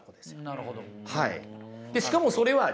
なるほど。